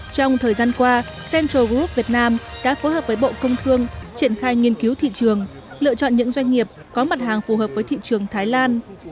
trong thời gian qua central group việt nam đã phối hợp với bộ công thương triển khai nghiên cứu thị trường lựa chọn những doanh nghiệp có mặt hàng phù hợp với thị trường thái lan